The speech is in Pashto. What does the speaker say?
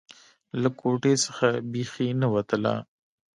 له کوټې څخه بيخي نه وتله.